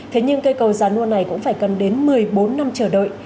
thế nhưng cây cầu giá đua này cũng phải cần đến một mươi bốn năm chờ đợi